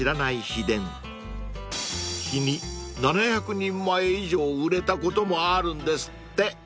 ［日に７００人前以上売れたこともあるんですって］